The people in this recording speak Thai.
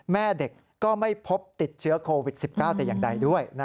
แม่เด็กก็ไม่พบติดเชื้อโควิด๑๙แต่อย่างใดด้วย